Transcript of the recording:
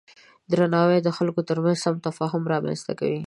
درناوی د خلکو ترمنځ سم تفاهم رامنځته کوي.